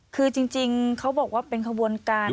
คือจริงเขาบอกว่าเป็นขบวนการ